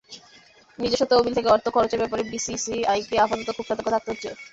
নিজস্ব তহবিল থেকে অর্থ খরচের ব্যাপারে বিসিসিআইকে আপাতত খুব সতর্ক থাকতে হচ্ছে।